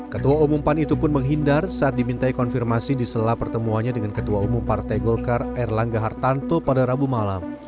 ketua umum pan itu pun menghindar saat dimintai konfirmasi di sela pertemuannya dengan ketua umum partai golkar erlangga hartanto pada rabu malam